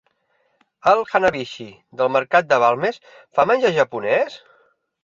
Al Hanabishi del Mercat de Balmes fan menjar japonés?